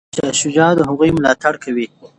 شاه شجاع د هغوی ملاتړ کوي.